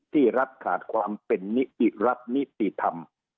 ที่รัฐขาดความเป็นนิติรัฐนิติธรรม